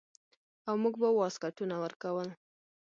او موږ به واسکټونه ورکول.